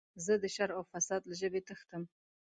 زه د شر او فساد له ژبې تښتم.